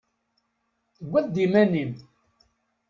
Tewwiḍ-d iman-im.